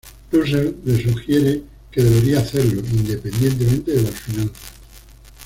Russell le sugiere que debería hacerlo, independientemente de las finanzas.